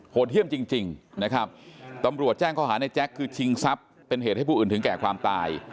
เที่ยมจริงนะครับตำรวจแจ้งข้อหาในแจ๊คคือชิงทรัพย์เป็นเหตุให้ผู้อื่นถึงแก่ความตาย